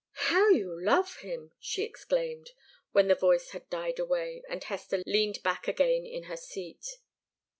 "How you love him!" she exclaimed, when the voice had died away, and Hester leaned back again in her seat.